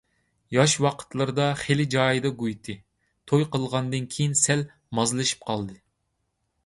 ياش ۋاقىتلىرىدا خېلى جايىدا گۇيتى، توي قىلغاندىن كېيىن سەل مازلىشىپ قالدى.